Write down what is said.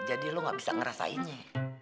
jadi lo ga bisa ngerasainnya